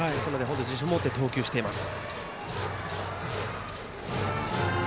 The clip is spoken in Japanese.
自信を持って投球しています。